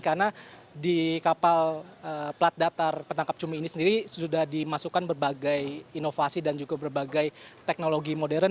karena di kapal plat datar penangkap cumi ini sendiri sudah dimasukkan berbagai inovasi dan juga berbagai teknologi modern